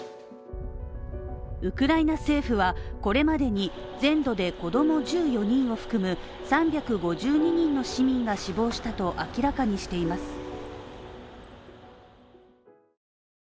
ウクライナ政府は、これまでに全土で子供１４人を含む３５２人の市民が死亡したと明らかにしています。